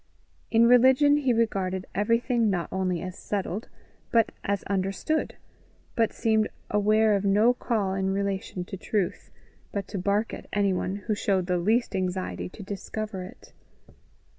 In religion he regarded everything not only as settled but as understood; but seemed aware of no call in relation to truth, but to bark at anyone who showed the least anxiety to discover it.